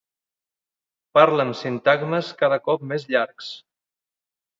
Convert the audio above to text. Parla amb sintagmes cada cop més llargs.